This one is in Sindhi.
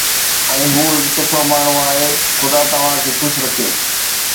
۽ هو هڪ سٺو ماڻهو آهي، خدا توهان کي خوش رکي